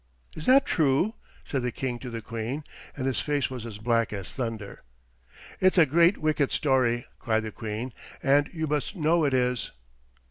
"Is that true?" said the King to the Queen; and his face was as black as thunder. "It's a great wicked story," cried the Queen, "and you must know it is."